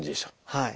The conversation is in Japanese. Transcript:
はい。